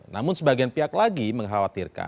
namun sebagian pihak lagi mengkhawatirkan